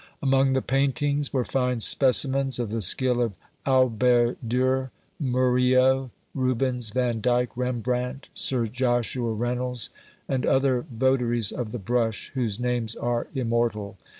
Among the paintings were fine specimens of the skill of Albert Dürer, Murillo, Rubens, Van Dyck, Rembrandt, Sir Joshua Reynolds and other votaries of the brush whose names are immortal.